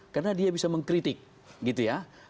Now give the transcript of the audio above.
karena dia bisa mengkritik gitu ya